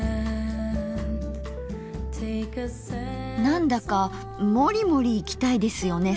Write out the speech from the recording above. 何だかもりもりいきたいですよね